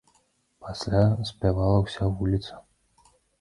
Пасля спявала ўся вуліца.